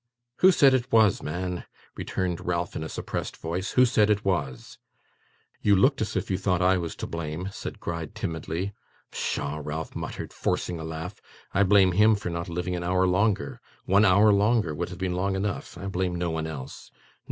'Who said it was, man?' returned Ralph, in a suppressed voice. 'Who said it was?' 'You looked as if you thought I was to blame,' said Gride, timidly. 'Pshaw!' Ralph muttered, forcing a laugh. 'I blame him for not living an hour longer. One hour longer would have been long enough. I blame no one else.